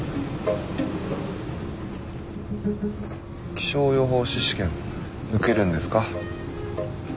気象予報士試験受けるんですか？